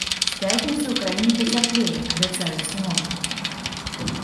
З пятніцы ў краіне пацяплее, абяцаюць сіноптыкі.